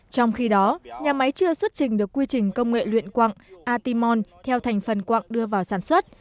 trong khi đó nhà máy chưa xuất trình được quy trình công nghệ luyện quặng atimon theo thành phần quạng đưa vào sản xuất